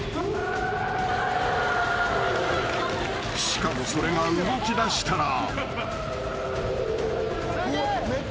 ［しかもそれが動きだしたら］